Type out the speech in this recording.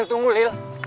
lil tunggu lil